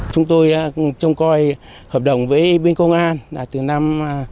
chúng tôi trông coi hợp đồng với bên công an là từ năm hai nghìn một mươi tám